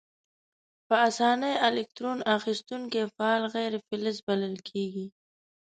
په آساني الکترون اخیستونکي فعال غیر فلز بلل کیږي.